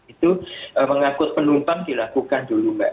itu mengangkut penumpang dilakukan dulu mbak